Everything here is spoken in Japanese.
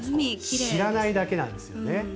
知らないだけなんですよ。